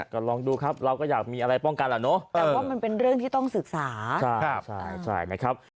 ก็ลองดูครับเราก็อยากมีอะไรป้องกันล่ะนู้น